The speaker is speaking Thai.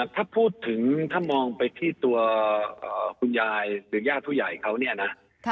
ถ้าพูดถึงถ้ามองไปที่ตัวคุณยายหรือญาติผู้ใหญ่เขาเนี่ยนะ